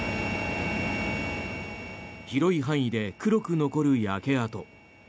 広い範囲で黒く残る焼け跡。